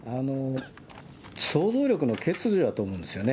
想像力の欠如だと思うんですよね。